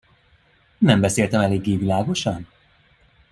Nem beszéltem eléggé világosan?